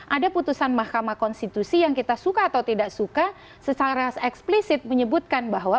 ada putusan mahkamah konstitusi yang kita suka atau tidak suka secara eksplisit menyebutkan bahwa